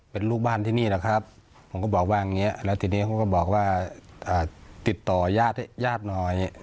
เป็นลูกบ้านที่นี่นะครับผมก็บอกว่าอย่างนี้แล้วทีนี้เขาก็บอกว่าติดต่อยาดหน่อย